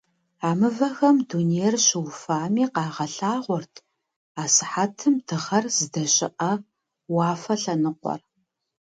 А мывэхэм дунейр щыуфами къагъэлъагъуэрт асыхьэтым дыгъэр здэщыӀэ уафэ лъэныкъуэр.